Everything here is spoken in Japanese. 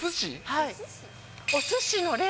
はい。